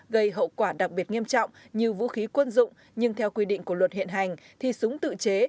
gây hậu quả đặc biệt nghiêm trọng như vũ khí quân dụng nhưng theo quy định của luật hiện hành thì súng tự chế